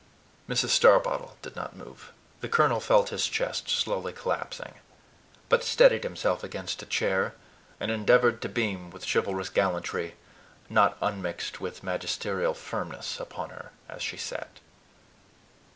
Mrs. Starbottle did not move. The colonel felt his chest slowly collapsing, but steadied himself against a chair, and endeavored to beam with chivalrous gallantry not unmixed with magisterial firmness upon her as she sat.